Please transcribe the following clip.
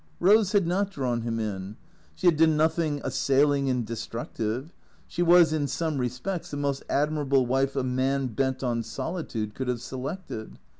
Eose had not drawn him in. She had done nothing assailing and destructive. She was, in some respects, the most admirable wife a man bent on solitude could have selected.